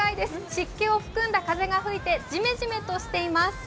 湿気を含んだ風が吹いてジメジメとしています。